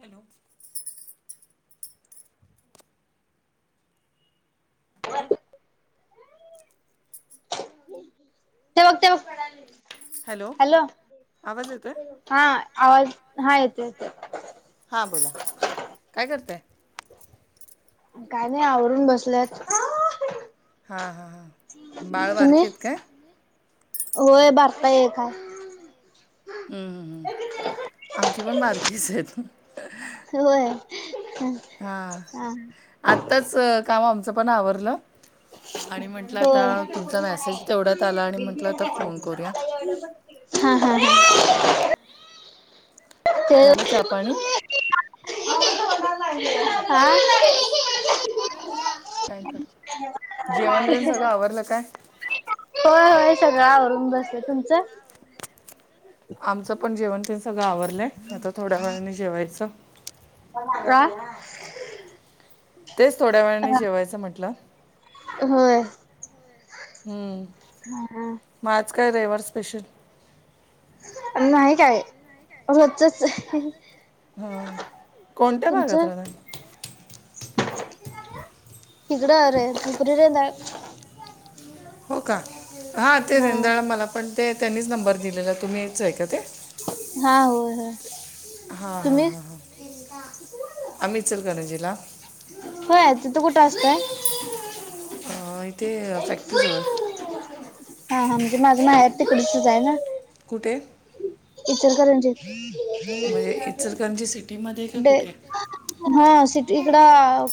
Hello! ते बघ ते बघ, हॅलो! आवाज येतोय हा आवाज, हा येत येत. हां बोला, काय करताय? काय नाही आवरुन बसलेत. हां हां हां बाळ तुम्ही? बारकी आहेत काय होय बारता एक हाय. हम्म, आमची पण बारकीच आहेत. होय. हा, आत्ताच काम आमचं पण आवरलं. आणि म्हटलं होय आता, तुमचा मेसेज तेवढ्यात आला आणि म्हटलं आता फोन करूया. हा हा हा. ते झालं चहा पाणी [unintelligible] आ जेवण तेन सगळं आवरलं काय? होय होय सगळं आवरून बसले, तुमचं? आमचं पण जेवण ते सगळं आवरलंय आहे आता थोड्या वेळाने जेवायचं. का? तेच थोड्या वेळाने जेवायचं म्हटलं. होय. म आज काय रविवार स्पेशल. नाही काय रोजचच. हम कोणत्या भागात तुमचं राहतात. तिकडं अ रे हुपरी रेंदाळ. हो का हा ते रेंदाळ मला पण ते त्यांनीच नंबर दिलेला तुम्हीच आहे का ते. हा होय होय. हा हा तुम्ही हा ह आम्ही इचलकरंजीला. होय तिथं कुठं असताय. हो इथे फॅक्टरी जवळ. हा हा म्हणजे माझं माहेर तिकडचच आहे ना. कुठे? इचलकरंजीत. म्हणजे इचलकरंजी सिटीमध्ये का डे कुठे हा सिटी इकड.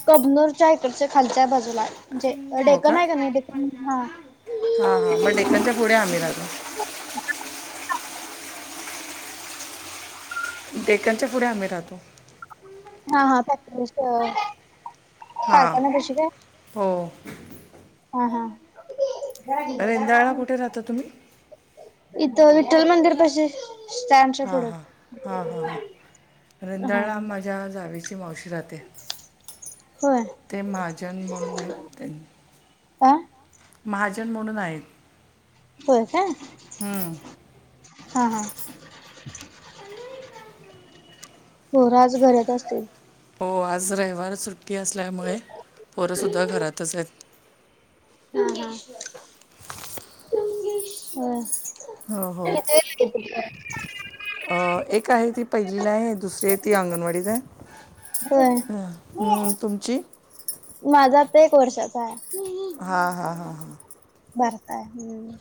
कबनूरच्या इकडच्या खालच्या बाजूला. डेकन आहे का नाही हा. म डेक्कनच्या पुढे आम्ही राहतो. डेक्कनच्या पुढे आम्ही राहतो. हा हा फॅक्टरीत. हा हो. हा हा जरा घे ग जरा पाच रेंदाळला कुठे मिंट. राहता तुम्ही इथं विठ्ठल मंदिर पशी. स्टँड च्या पुढ हां हां हां हा. ज्या जावेची मावशी राहत्या होय ते महाजन म्हणून आहेत त्यां आ महाजन म्हणून आहेत. होय काय हम्म. हा हा. [inaudible] पोर आज घरात असतील. हो आज रविवार सुट्टी असल्यामुळे पोरंसुद्धा घरातच आहेत. हा हा होय. हो हो. [unintelligible] अ एक आहे ती पहिलीलाय आहे दुसरी आहे ती अंगणवाडीत आहे होय. हम. अ तुमची. माझा अत्ता एक वर्षाचा हाय. हा हां हां हां. बारकाय हम्म.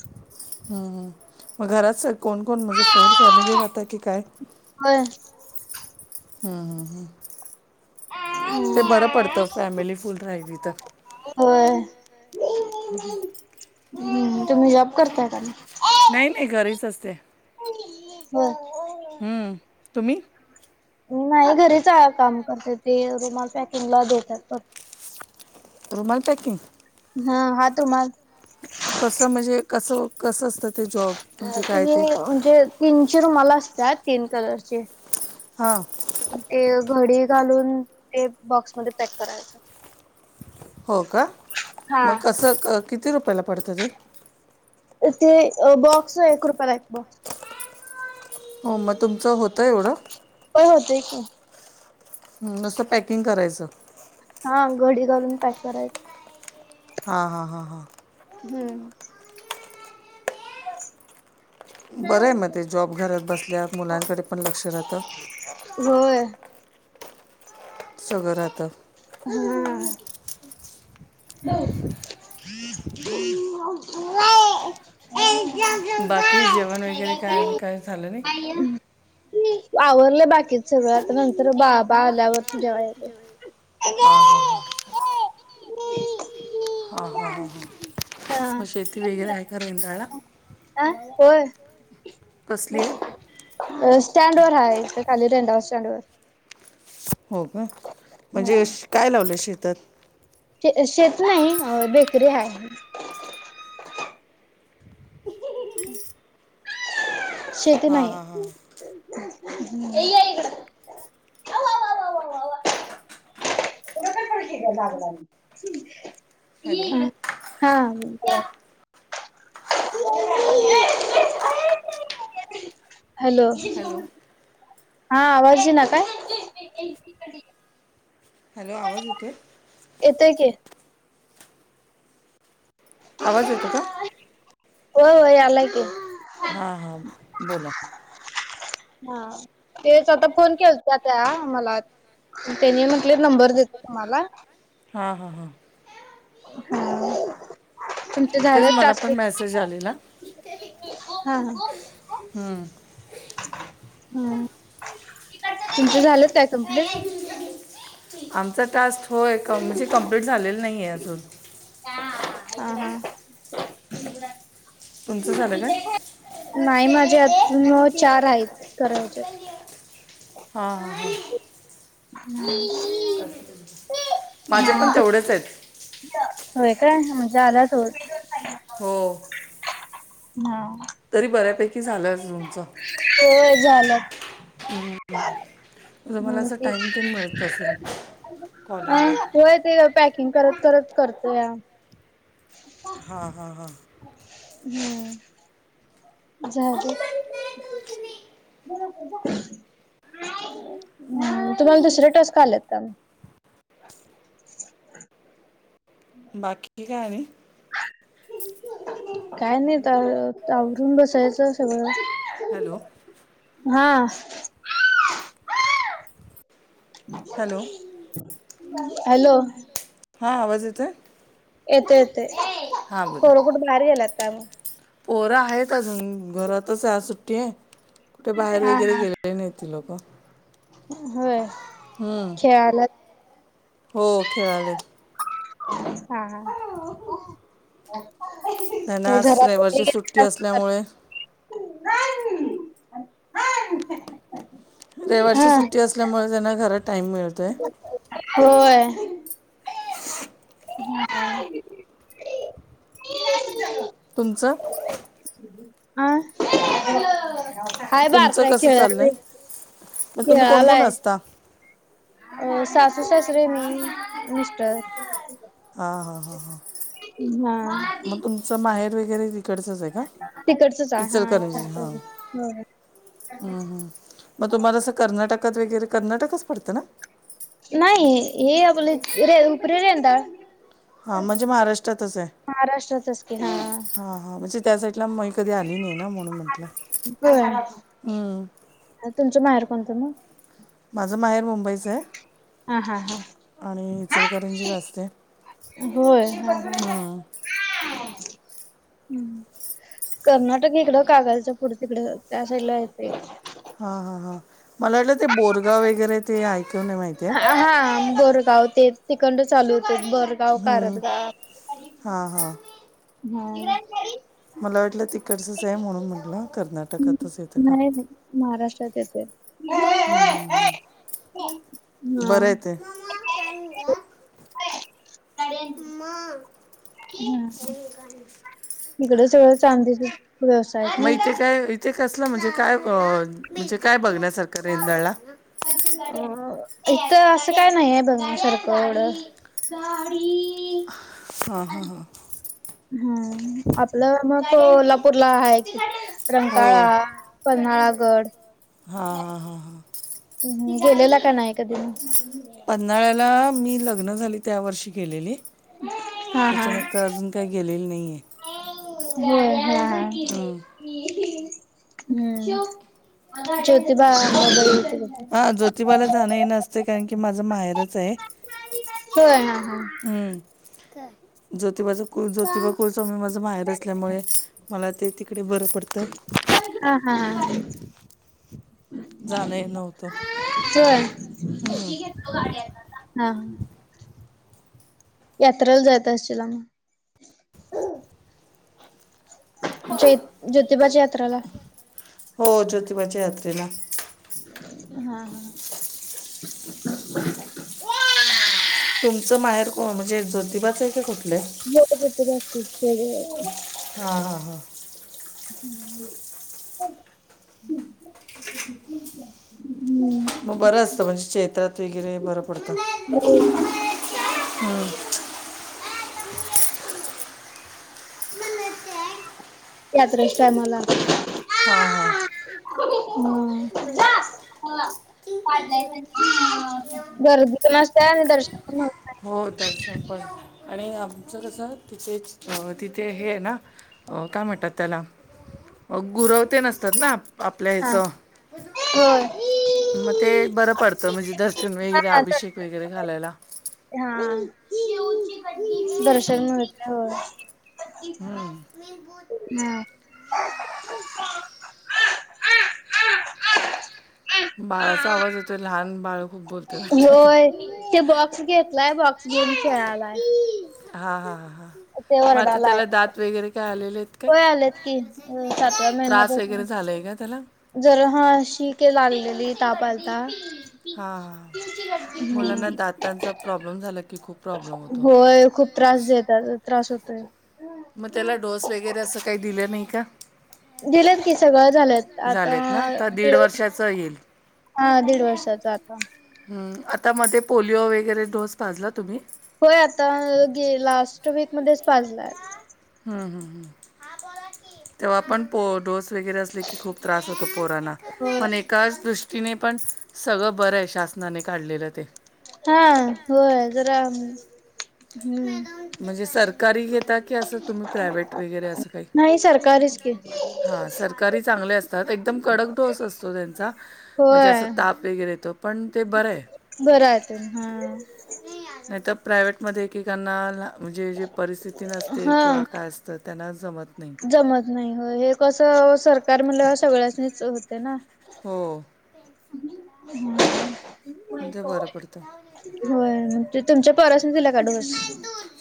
हम् हम मग घरात स कोण कोण म्हणजे [unintelligible] फॅमिल राहत की काय. होय. हम्म हम् हम्म. ते हम्म. बरं पडतं फॅमिली फुल राहिली तर. होय. [inaudible] हम्म तुम्ही जॉब करताय का मग नाही नाही घरीच असते. होय. हम्म तुम्ही. मी नाही घरीच काम करते ते रुमा पॅकिंग ला देतात. रूमाल पॅकिंग. हा हा तो मा. कसं म्हणजे कस कसं असतं. ते जॉब म्हणजे तु काय ते म्हणजे तीन रुमाला असत तीन कलरचे. हां ते घडी घालून ते बॉक्समध्येध्ये पॅक करायचं. हो का हा. मग कसं क किती रुपयाला पडतं ते. ते बॉक्स एक रुपयाला एक बॉक्स. हो मग तुमचं होतं एवढं. होय होतेय की. नसं पॅकिंग करायचं. हा घडी घालून पाॅठ करायच हा हा हां हां. हम्म [inaudible] बरं आहे मग ते जॉब घरात बसल्या मुलांकडे पण लक्ष राहतं. वर. सगं राहात. हम्. नऊ. ह. अ. बाकी जेवण वगैरे काय काय झालं नाही. आवरलंय बाकीच सगळं आता नंतर बाबा आल्यावर जेव्हा य. ह ह ह. अ म. ह ह हा. मग शेती वगैरे आहे का रेंद्रळा. अ होय. कसली आहे. स्टँड वर हाय खाली रंडाव स्टँड वर. हो का म्हणजे काय लावलं शेतात. श शेतला आहे बेकरी आहे. ह. शेती हां नाही. हां हां आव आव त तर खेट लागला नाही. हॅलो हा. हॅलो. हॅलो हा आवर्जी ना काय. हॅलो आवाज येतो आहे. येतोय की. आवाज येतो का. हो हो यालाय की. हा हा बोला. हा तेच आता फोन केला त्या त्या मला. त्यानी म्हटले नंबर देतो तुम्हाला. हा हा हां. हा तुमच तेच झालं मला टास. पण मेसेज आलेला हा हम्म. हम. तुमचं झालेत काय कम्प्लेट? आमचा टास्क. होय म्हणजे कम्प्लीट झालेला नाहीये अजून. हां. हां. तुमचं झालं काय नाही माझ्या आत म चार आहेत करायचे. हा. हां. हां. हम्म. माझे पण तेवढेच आहेत. होय काय? म्हणजे झाला तर. हो. हा. तरी बऱ्यापैकी झालं असेल तुमचं? हो झालं. तुम्हाला अस टाइम तेन मिळत असेल. कॉल- अ होय. ते पॅकिंग करत करत करतोया. हा हा हा. हम्म. जाउ दे. हम्. तुम्हाला दुसरे टास्क आलेत का अजून? बाकी काय आणि? काय नाही. तर आवरून बसायचं सगळं. हॅलो. हा. ह हॅलो. हॅलो. हां. आवाज येतोय? येतोय. येतोय. पोर कुठे बाहेर गेलात का मग? पोर आहेत अजून, घरातच आहे. आज सुट्टी आहे कुठे बाहेर हा वगैरे हा. गेले- नाही ती लोक. होय. हम्म. खेळायला हो खेळायले. हा. हां. त्यांना आज घरात रविवारची सुट्टी [unintelligible] असल्यामुळे हा रविवारची सुट्टी असल्यामुळे त्यांना घरात टाइम मिळत- होय. [inaudible] तुमचं? आं? हाय तुमचं बारका कसं चाललं खेळायलाय. आहे मग तुम्ही कोण कोण असता? अ. सासू, सासरे, मी, मिस्टर. हा हा हा हा. हा. [unintelligible] माहेर वगैरे तिकडचच आहे का? तिकडचच आहे हा इचलकरंजी हा. अच्छा हम् हम. मग तुम्हाला असं कर्नाटकात वगैरे कर्नाटकच पडतं ना? नाही. हे आपले रे उपरे रेडाळ. हा. म्हणजे महाराष्ट्रातच आहे. महाराष्ट्रातच की हा हा हा म्हणजे- त्या साईटला मही कधी आली नाही ना? म्हणून म्हंटलं. हम्. आणि तुमचं माहेर कोणतं मग? माझं माहेर मुंबईचं आहे. हा हा आणि हा इचलकरंजीला असते होय ह. हं. हा. हम् कर्नाटक इकडं कागालच्या पुढ तिकड त्या साईड ला येते. हा हा हां मला वाटलं ते बोरगाव वगैरे ते ऐकवय माहिती आहे. हा बरं गावते तिखंड चालू होते बरं. हम्म. गावकारत ग हां हां हम्म. मला वाटलं तिकडचंच आहे म्हणून म्हटलं कर्नाटकात नाही नाही महाराष्ट्रात येत आहे. हम्म हम्म हम्म बरं आहे हम्. ते. [unintelligible] हम ह. तिकड सगळ चांदी व्यवसायत मग ना. इथे काय इथे कसला म्हणजे काय म्हणजे काय बघण्यासारखं रेंदळला अ इथ असं काय नाहीय बघ सरखढं. दाडीी. हा हा हां. हम आपलं मग कोल्हापूरला आहे क रमताळा हो पन्हाळागड हा हा हा हा. गेलेला का नाही कधी मी पन्हाळ्याला मी लग्न झाली त्या वर्षी केलेली हा हा त्याच्यानंतर अजून का गेलेलं नाही आहे. हो हा. हम्म. हम् जती बा ह ज्योतिबाला जाणं नसते कारण की माझं माहेरच आहे. हो हा हा. हम्म ज्योतिबाच ज्योतिबा स्कूल चं मी माझं बाहेर असल्यामुळे मला ते तिकडे बरं पडतं. ह हा. जाणं येणं होतं चळ. हा ह. यात्रा जात असश मग ज ज्योतिबाची यात्राला हो जोतीबाजा हत्रला. हा हा. तुमचं माहेर को म्हणजे जोतिबाच आहे का खुठ? मोठपू हा हा हा. हम्म. [unintelligible] हम्म. मग बरं असतं म्हणजे चैेत्रात वगैरे बरं पडत हम्. यात्रस्य मला हा हा. गर्दी पण असते आणि दर्शन पण होत. चपण आणि आमचं कसं तिथेच तिथे हे आहे ना. हो काय म्हणतात त्याला गुरवते नसतात ना आपल्या ह्याचं. हो. मग ते बरं पडतं म्हणजे दर्शन हा वगैरे अभिषेक हा वगैरे घालायला हा दर्शन मिळते होय. ह हम. बाळाचा आवाज येतोय लहान बाळ. खूप बोलते वाटतं ते होय ते बॉक्स घेतलाय बॉक्स घेऊन खेळालाय. हां हा हां ते मग आता वरडालाय. त्याला दात वगैरे.. काय आलेलं आहेत काय होय आलेत की अ सातव्या त्रास महिन्यापासून. वगैरे झालाय का त्याला. जरा हा शी लागलेली तापा आलता. हा हम्म मुलांना दातांचा प्रॉब्लेम झाला की खूप. प्रॉब्लेम होतो होय खूप त्रास देत त्रास होतोय. मग त्याला डोस वगैरे असं काही दिलं नाही का. दिलेत की सगळं झालंत आता झालेत ना आता ते दीड डोस. वर्षाचं येईल हा दीड वर्षाचा आता. हम् आता मध्ये पोलिओ वगैरे डोस पाजला तुम्ही. होय आता गे लास्ट वीक मध्येच पाजलाय. हम्म हम्म हम् [inaudible] तेव्हा आपण पो डोस वगैरे असले की खूप त्रास होतो पोरांना होय. पण एक. त्याच दृष्टीने पण सगळं बरं आहे शासनाने काढलेलं ते. हा होय जरा. हम्म म्हणजे सरकारी घेता की असं तुम्ही प्रायव्हेट वगैरे असं काही. नाही सरकारीच की हा सरकारी चांगले असतात एकदम कडक डोस असतो त्यांचा. म्हणजे असं होय ताप येतो पण ते बर आहे घरातून हा नाही तर. प्रायव्हेटमध्ये एकेकांना म्हणजे जे परिस्थिती नसते हा किंवा काय असते. तर त्यांना जमत नाही. जमत नाही हो हे कसं सरकार म्हटलं सगळ्यानीच होते ना. हो. हम. म्हणजे बरं पडतं. होय मग ते तुमच्या परसने दिला का डोस.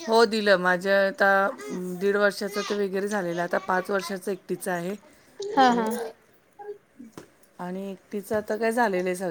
हो दिलं माझ्या आता दीड वर्ष. वगैरे झालेलं आता पाच वर्षाच एकटीच आहे हा आणि. हा आणि एकटीचं आता काय झालेलं आहे सगळं.